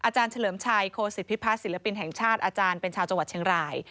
อเฉลิมชัยโคลสิทธิพิพาทศิลปินแห่งชาติอเป็นชาวจังหวัดเฉียงราย